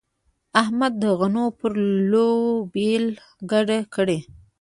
احمد د غنو پر لو پیل ګډ کړ.